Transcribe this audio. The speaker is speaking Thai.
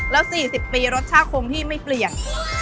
แล้ว๔๐ปีรสชาติคงที่ไม่เปลี่ยน